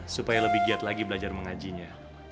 supaya lebih giat lagi belajar mengajinya